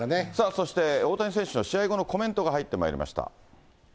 そして大谷選手の試合後のコメントが入ってまいりました。